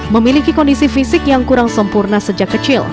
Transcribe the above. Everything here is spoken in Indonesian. memiliki kondisi fisik yang kurang sempurna sejak kecil